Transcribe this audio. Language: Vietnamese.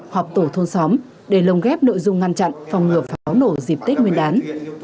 hoặc tổ thôn xóm để lồng ghép nội dung ngăn chặn phòng ngược pháo nổ dịp tết nguyên đán